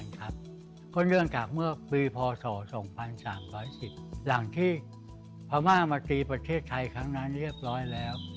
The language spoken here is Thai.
เท่าที่ภามาร์มาตีประเทศไทยครั้งนั้นเรียบร้อยแล้ว